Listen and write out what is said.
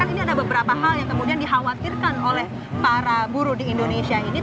ini ada beberapa hal yang kemudian dikhawatirkan oleh para buruh di indonesia ini